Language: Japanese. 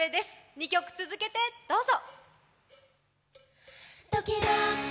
２曲続けてどうぞ。